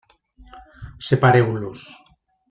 Separeu-los.